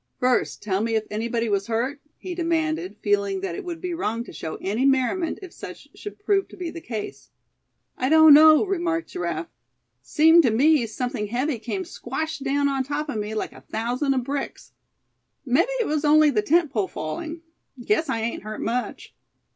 "First tell me if anybody was hurt?" he demanded, feeling that it would be wrong to show any merriment if such should prove to be the case. "I don't know," remarked Giraffe; "seemed to me something heavy came squash down on top of me like a thousand of bricks. Mebbe it was only the tent pole falling. Guess I ain't hurt much."